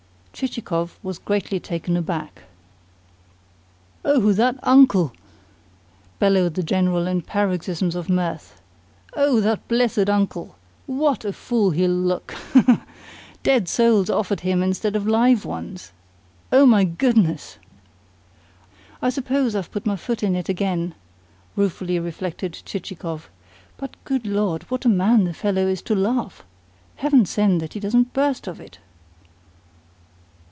Chichikov was greatly taken aback. "Oh, that uncle!" bellowed the General in paroxysms of mirth. "Oh, that blessed uncle! WHAT a fool he'll look! Ha, ha, ha! Dead souls offered him instead of live ones! Oh, my goodness!" "I suppose I've put my foot in it again," ruefully reflected Chichikov. "But, good Lord, what a man the fellow is to laugh! Heaven send that he doesn't burst of it!"